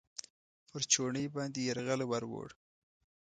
پر چوڼۍ باندې یرغل ورووړ.